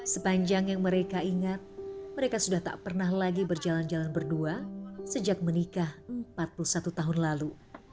sepanjang yang mereka ingat mereka sudah tak pernah lagi berjalan jalan berdua sejak menikah empat puluh satu tahun lalu